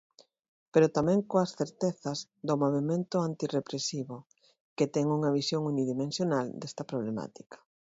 Pero tamén coas certezas do movemento antirrepresivo, que ten unha visión unidimensional desta problemática.